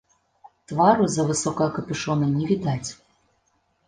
Твару з-за высокага капюшона не відаць.